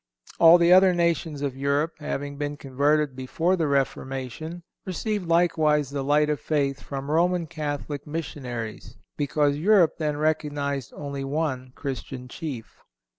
(170) All the other nations of Europe, having been converted before the Reformation, received likewise the light of faith from Roman Catholic Missionaries, because Europe then recognized only one Christian Chief.